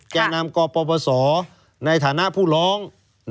แก่นำกปปศในฐานะผู้ร้อง